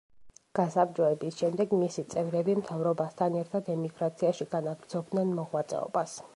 გასაბჭოების შემდეგ, მისი წევრები მთავრობასთან ერთად, ემიგრაციაში განაგრძობდნენ მოღვაწეობას.